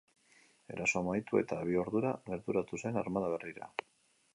Erasoa amaitu eta bi ordura gerturatu zen armada herrira.